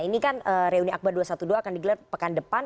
ini kan reuni akhbar dua ratus dua belas akan di gelar pekan depan